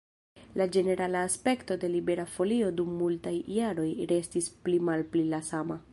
La ĝenerala aspekto de Libera Folio dum multaj jaroj restis pli-malpli la sama.